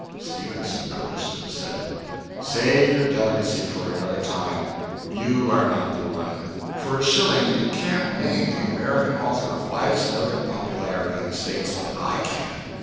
Stevenson noticed, and said "Save your delicacy for another time you are not the one. For a shilling you can't name the American author of widest note and popularity in the States. But I can."